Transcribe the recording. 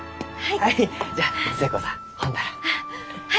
はい。